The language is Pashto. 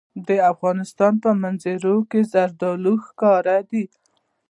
د افغانستان په منظره کې زردالو ښکاره ده.